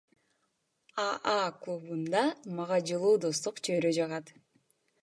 АА клубунда мага жылуу достук чөйрө жагат.